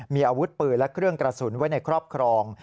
มีอาวุธปืนและเครื่องกระสุนไว้ในครอบครอง